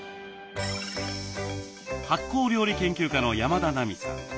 発酵料理研究家の山田奈美さん。